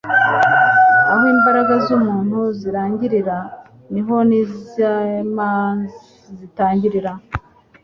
aho imbaraga zumuntu zirangirira niho iz'imanz zitangirira